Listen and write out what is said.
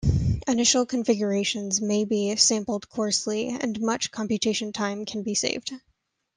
Initial configurations may be sampled coarsely, and much computation time can be saved.